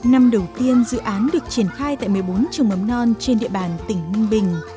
năm đầu tiên dự án được triển khai tại một mươi bốn trường mầm non trên địa bàn tỉnh ninh bình